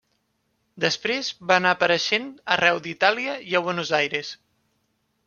Després va anar apareixent arreu d'Itàlia i a Buenos Aires.